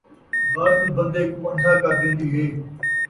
غرض بن٘دے کوں ان٘دھا کر ݙین٘دی ہے